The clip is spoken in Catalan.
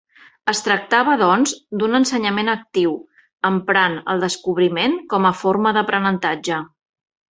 Es tractava, doncs, d'un ensenyament actiu, emprant el descobriment com a forma d'aprenentatge.